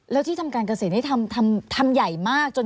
แล้วที่ทำการเกษตรนี่ทำใหญ่มากจน